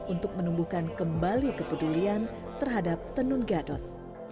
untuk menumbuhkan kembali kepedulian terhadap tenun gadot